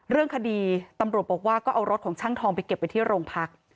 เรื่องคดีตำรวจบอกว่าก็เอารถของช่างทองไปเก็บไว้ที่โรงพัก